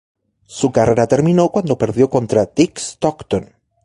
Su carrera terminó cuando perdió contra Dick Stockton.